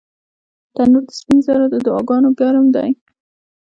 تنور د سپین زرو د دعاګانو ګرم دی